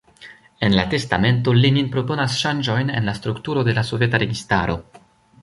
En la testamento, Lenin proponas ŝanĝojn en la strukturo de la soveta registaro.